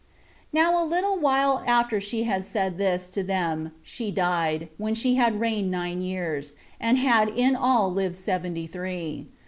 6. Now a little while after she had said this to them, she died, when she had reigned nine years, and had in all lived seventy three.